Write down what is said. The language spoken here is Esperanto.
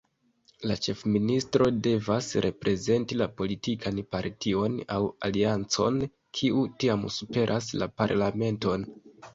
La ĉefministro devas reprezenti la politikan partion aŭ aliancon, kiu tiam superas la Parlamenton.